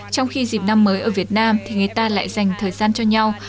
trong khi dịp năm mới ở việt nam thì người ta lại dành thời gian cho nhau